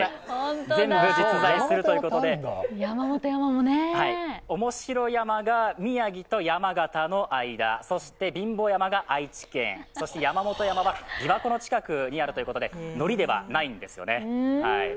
全部、実在するということで面白山が宮城と山形の間、そして貧乏山が愛知県、山本山は琵琶湖の近くにあるということでノリではないんですよね。